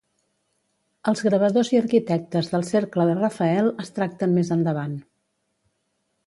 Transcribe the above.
Els gravadors i arquitectes del cercle de Rafael es tracten més endavant.